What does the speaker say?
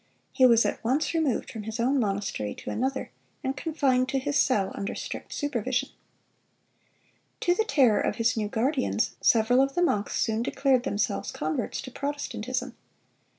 He was at once removed from his own monastery to another, and confined to his cell, under strict supervision. To the terror of his new guardians, several of the monks soon declared themselves converts to Protestantism.